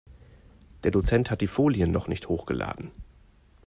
Der Dozent hat die Folien noch nicht hochgeladen.